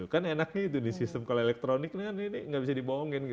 kan enaknya itu di sistem kalau elektronik ini kan ini nggak bisa dibohongin